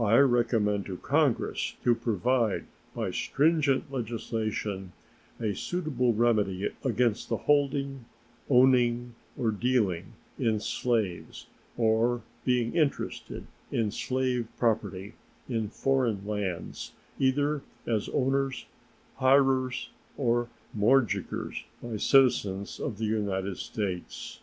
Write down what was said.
I recommend to Congress to provide by stringent legislation a suitable remedy against the holding, owning or dealing in slaves, or being interested in slave property, in foreign lands, either as owners, hirers, or mortgagors, by citizens of the United States.